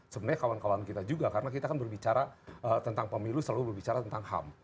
sebenarnya kawan kawan kita juga karena kita kan berbicara tentang pemilu selalu berbicara tentang ham